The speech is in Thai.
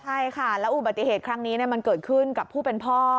ใช่ค่ะแล้วอุบัติเหตุครั้งนี้มันเกิดขึ้นกับผู้เป็นพ่อ